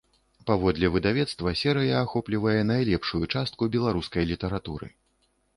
Паводле выдавецтва, серыя ахоплівае найлепшую частку беларускай літаратуры.